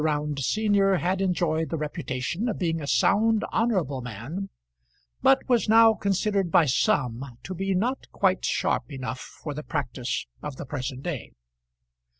Round senior had enjoyed the reputation of being a sound, honourable man, but was now considered by some to be not quite sharp enough for the practice of the present day.